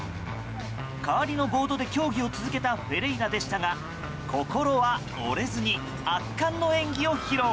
代わりのボードで競技を続けたフェレイラでしたが心は折れずに圧巻の演技を披露。